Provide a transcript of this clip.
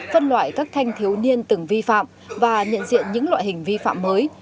phân loại các thanh thiếu niên từng vi phạm và nhận diện những loại hình vi phạm mới